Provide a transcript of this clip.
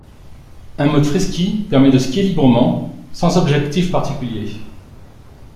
Un mode Free Ski permet de skier librement, sans objectif particulier.